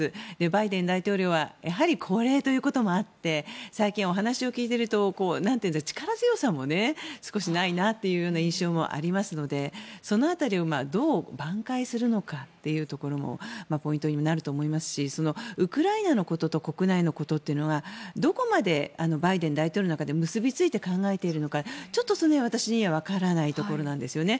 バイデン大統領はやはり高齢ということもあって最近、お話を聞いていると力強さも少しないなという印象もありますのでその辺りをどう挽回するのかというところもポイントにもなると思いますしウクライナのことと国内のことというのはどこまでバイデン大統領の中で結びついて考えているのかがちょっとその辺、私には分からないとこなんですよね。